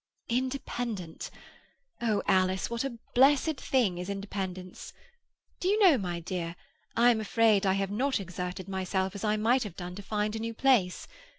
"Independent! Oh, Alice, what a blessed thing is independence! Do you know, my dear, I am afraid I have not exerted myself as I might have done to find a new place.